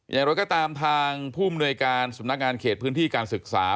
อย่างไรก็ตามทางผู้มนวยการสำนักงานเขตพื้นที่การศึกษา